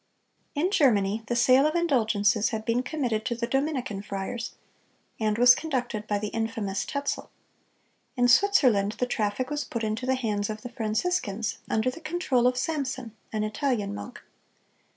In Germany the sale of indulgences had been committed to the Dominican friars, and was conducted by the infamous Tetzel. In Switzerland the traffic was put into the hands of the Franciscans, under the control of Samson, an Italian monk.